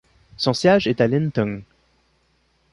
Son siège est à Lintong.